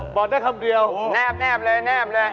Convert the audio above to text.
บอกได้คำเดียวแนบเลย